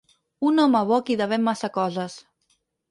Un home bo a qui devem massa coses.